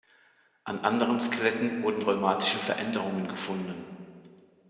An anderen Skeletten wurden rheumatische Veränderungen gefunden.